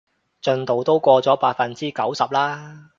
進度都過咗百分之九十啦